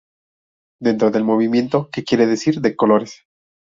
Dentro del Movimiento ¿Que quiere decir de colores?